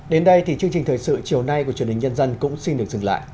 đến đây thì chương trình thời sự chiều nay của chuyên đình nhân dân cũng xin được dừng lại